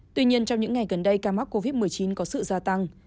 tuy nhiên trong những ngày gần đây ca mắc covid một mươi chín có sự gia tăng